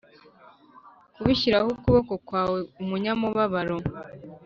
kubishyiraho ukuboko kwawe Umunyamubabaro